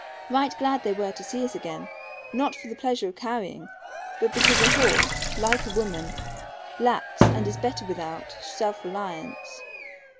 Right glad they were to see us again not for the pleasure of carrying, but because a horse (like a woman) lacks, and is better without, self reliance.